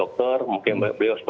itu sudah beberapa kali terjadi